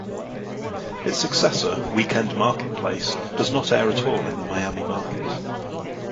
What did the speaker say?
Its successor, "Weekend Marketplace", does not air at all in the Miami market.